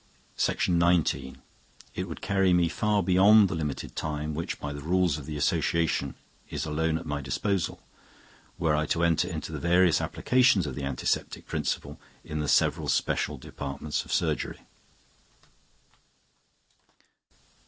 It would carry me far beyond the limited time which, by the rules of the Association, is alone at my disposal, were I to enter into the various applications of the antiseptic principle in the several special departments of surgery.